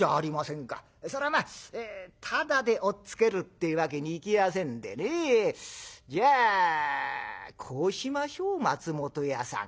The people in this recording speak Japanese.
それはまぁただで押っつけるってわけにいきやせんでねじゃあこうしましょう松本屋さん。